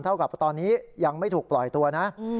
เท่ากับตอนนี้ยังไม่ถูกปล่อยตัวนะ